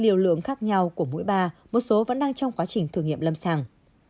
điều lượng khác nhau của mũi ba một số vẫn đang trong quá trình thử nghiệm lâm sàng